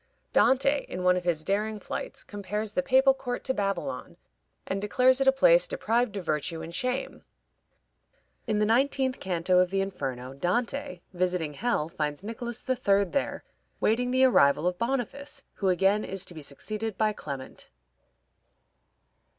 Dante, in one of his daring flights, compares the papal court to Babylon, and declares it a place deprived of virtue and shame. In the nineteenth canto of the Inferno, Dante, visiting hell, finds Nicholas III. there waiting the arrival of Boniface, who again is to be succeeded by Clement.